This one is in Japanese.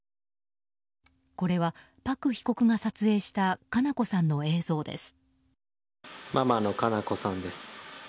これはパク被告が撮影した佳菜子さんの映像です。